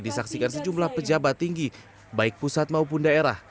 disaksikan sejumlah pejabat tinggi baik pusat maupun daerah